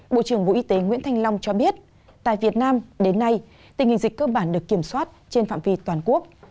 bộ trưởng bộ y tế nguyễn thanh long cho biết tại việt nam đến nay tình hình dịch cơ bản được kiểm soát trên phạm vi toàn quốc